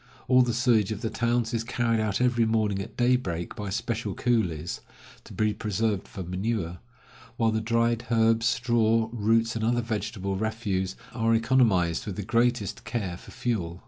All the sewage of the towns is carried out every morning at daybreak by special coolies, to be preserved for manure; while the dried herbs, straw, roots, and other vegetable refuse, are economized with the greatest care for fuel.